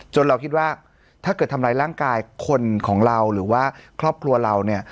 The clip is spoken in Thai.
เราคิดว่าถ้าเกิดทำร้ายร่างกายคนของเราหรือว่าครอบครัวเราเนี่ย